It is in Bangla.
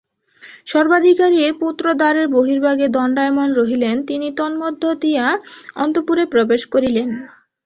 সর্বাধিকারীর পুত্র দ্বারের বহির্ভাগে দণ্ডায়মান রহিলেন তিনি তন্মধ্য দিয়া অন্তঃপুরে প্রবেশ করিলেন।